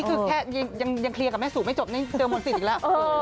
แกเคลียร์กับแม่สู่ไม่จบโจรตีนอีกแล้ว